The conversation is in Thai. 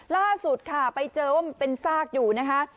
ล่าสุดค่ะไปเจอว่ามันเป็นซากอยู่นะคะ